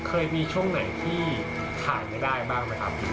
เคยมีช่วงไหนที่ขายไม่ได้บ้างไหมครับ